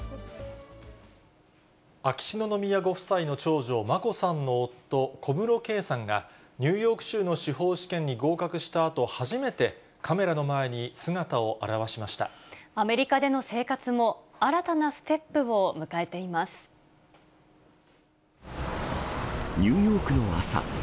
秋篠宮ご夫妻の長女、眞子さんの夫、小室圭さんが、ニューヨーク州の司法試験に合格したあと初めてカメラの前に姿をアメリカでの生活も、新たなニューヨークの朝。